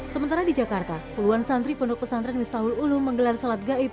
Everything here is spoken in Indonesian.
sementara di jakarta puluhan santri pondok pesantren miftahul ulum menggelar salat gaib